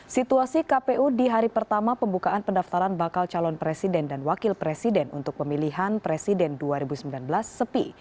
situasi kpu di hari pertama pembukaan pendaftaran bakal calon presiden dan wakil presiden untuk pemilihan presiden dua ribu sembilan belas sepi